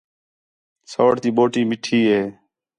سَوڑ تی بوٹی مِٹّھی ہِے